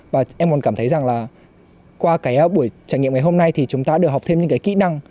và em còn cảm thấy rằng qua buổi trải nghiệm ngày hôm nay thì chúng ta được học thêm những kỹ năng